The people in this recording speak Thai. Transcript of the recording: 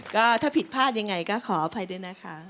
ก็ถ้าผิดพลาดยังไงก็ขออภัยด้วยนะคะ